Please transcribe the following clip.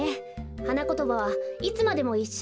はなことばは「いつまでもいっしょ」。